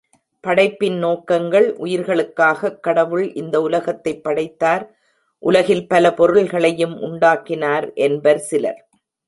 படைப்பின் நோக்கங்கள் உயிர்களுக்காகக் கடவுள் இந்த உலகத்தைப் படைத்தார் உலகில் பல பொருள்களையும் உண்டாக்கினார் என்பர் சிலர்.